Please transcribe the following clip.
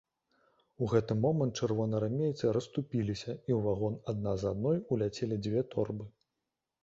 У гэты момант чырвонаармейцы расступіліся і ў вагон адна за адной уляцелі дзве торбы.